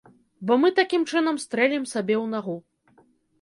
Бо мы такім чынам стрэлім сабе ў нагу.